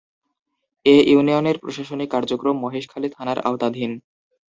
এ ইউনিয়নের প্রশাসনিক কার্যক্রম মহেশখালী থানার আওতাধীন।